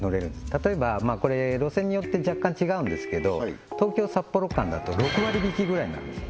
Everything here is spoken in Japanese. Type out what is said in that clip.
例えばこれ路線によって若干違うんですけど東京札幌間だと６割引きぐらいになるんですよ